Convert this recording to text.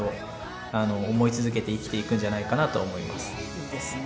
いいですね。